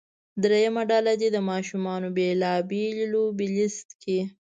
دریمه ډله دې د ماشومانو بیلا بېلې لوبې لیست کړي.